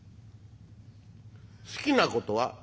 「好きなことは？」。